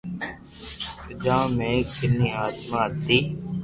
جآ مي ڪني آتما ھتي